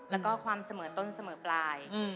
แล้วก็ความเสมอต้นเสมอปลาย